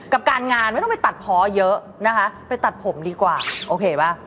กับการงานไม่ต้องไปตัดเพาะเยอะนะคะไปตัดผมดีกว่าโอเคป่ะ